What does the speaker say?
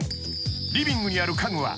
［リビングにある家具は］